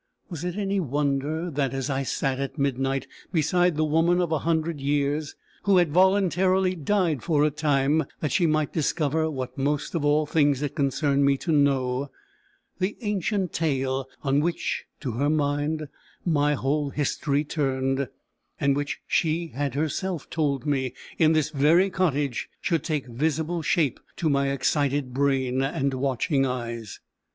Was it any wonder that, as I sat at midnight beside the woman of a hundred years, who had voluntarily died for a time that she might discover what most of all things it concerned me to know, the ancient tale, on which, to her mind, my whole history turned, and which she had herself told me in this very cottage, should take visible shape to my excited brain and watching eyes?